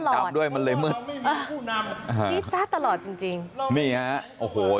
ที่จ้าตลอดด้วยมันเลยเงินที่จ้าตลอดจริงจริงมีฮะโอ้โหไว้